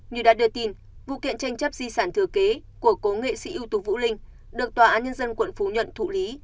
như đã đưa tin vụ kiện tranh chấp di sản thừa kế của cố nghệ sĩ ưu tú vũ linh được tòa án nhân dân quận phú nhuận thụ lý